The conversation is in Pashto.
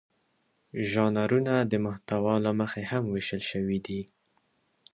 ژانرونه د محتوا له مخې هم وېشل شوي دي.